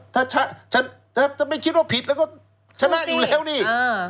ถ้าไม่คิดว่าผิดแล้วก็ชนะอยู่แล้วนี่